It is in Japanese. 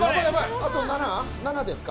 あと７ですか。